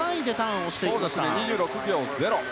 ２６秒０。